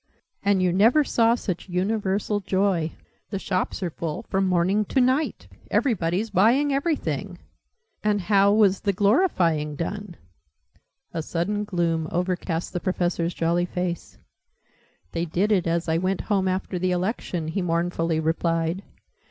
And you never saw such universal joy. The shops are full from morning to night. Everybody's buying everything!" "And how was the glorifying done?" A sudden gloom overcast the Professor's jolly face. "They did it as I went home after the Election," he mournfully replied.